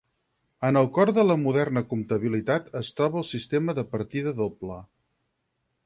En el cor de la moderna comptabilitat es troba el sistema de partida doble.